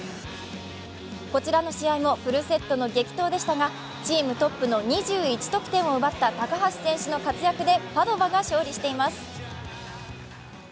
こちらの試合もフルセットの激闘でしたがチームトップの２１得点を奪った高橋選手の活躍でパドヴァが勝利しています。